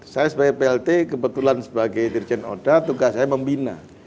saya sebagai plt kebetulan sebagai dirjen oda tugas saya membina